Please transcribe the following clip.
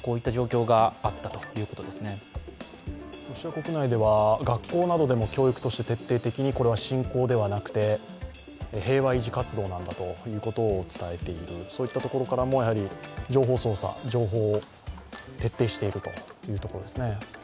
ロシア国内では学校などでも教育として徹底的にこれは侵攻ではなくて平和維持活動なんだということを伝えている、そういったところからも情報操作、情報を徹底しているというところですね。